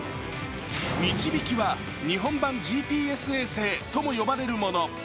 「みちびき」は日本版ＧＰＳ衛星とも呼ばれるもの。